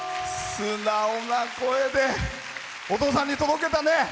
素直な声でお父さんに届けたね。